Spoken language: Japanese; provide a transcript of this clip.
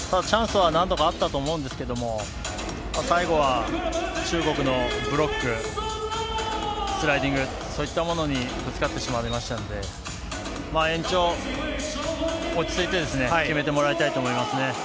チャンスは何度かあったと思うんですけども、最後は中国のブロック、スライディング、そういったものにぶつかってしまいましたので、延長、落ち着いて決めてもらいたいと思いますね。